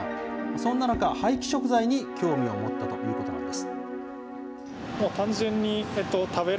そんな中、廃棄食材に興味を持ったということなんです。